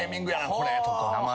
これとか。